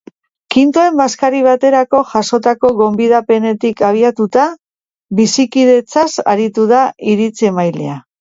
Kintoen bazkari baterako jasotako gonbidapenetik abiatuta, bizikidetzaz aritu da iritzi-emailea.